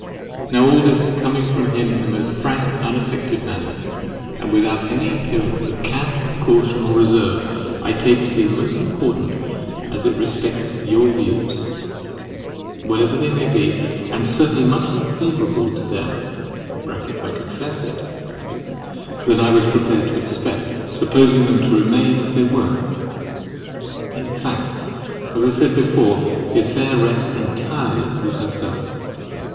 Now all this, coming from him in the most frank and unaffected manner, and without any appearance of cant, caution, or reserve, I take to be most important as it respects your views, whatever they may be; and certainly much more favourable to them (I confess it) than I was prepared to expect, supposing them to remain as they were. In fact as I said before, the affair rests entirely with herself.